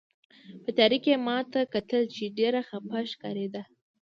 په تیارې کې یې ما ته کتل، چې ډېره خپه ښکارېده.